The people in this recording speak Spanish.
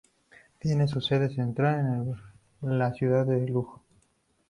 Tiene su sede central en la ciudad de Lugo.